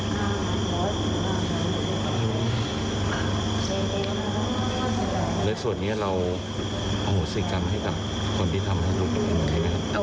แล้วส่วนนี้เราเอาสิทธิ์กรรมให้กับคนที่ทำให้ดูดีกว่าไงครับ